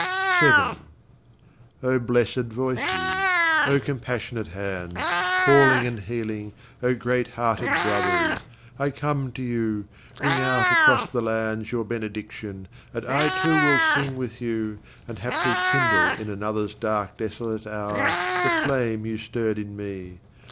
VII O blessèd voices, O compassionate hands, Calling and healing, O great hearted brothers! I come to you. Ring out across the lands Your benediction, and I too will sing With you, and haply kindle in another's Dark desolate hour the flame you stirred in me.